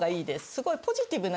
すごい。